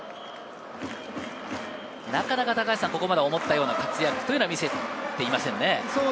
なかなかここまで思ったような活躍は見せていませんね。